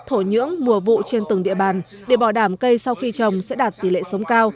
thổ nhưỡng mùa vụ trên từng địa bàn để bảo đảm cây sau khi trồng sẽ đạt tỷ lệ sống cao